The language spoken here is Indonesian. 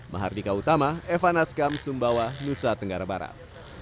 mahardika utama evan askam sumbawa nusa tenggara barat